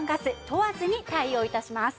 問わずに対応致します。